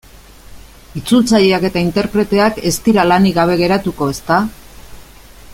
Itzultzaileak eta interpreteak ez dira lanik gabe geratuko, ezta?